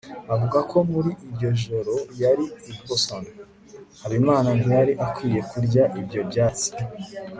avuga ko muri iryo joro yari i boston. habimana ntiyari akwiye kurya ibyo byatsi